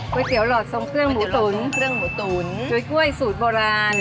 กุ้ยเตี๋วหลอดทรงเครื่องหมูตุ๋นจุ้ยกล้วยสูตรโบราณ